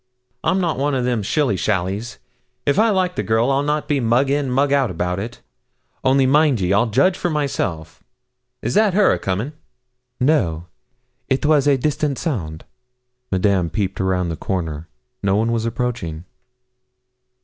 I'm not one o' them shilly shallies. If I like the girl, I'll not be mug in and mug out about it. Only mind ye, I'll judge for myself. Is that her a coming?' 'No; it was a distant sound.' Madame peeped round the corner. No one was approaching.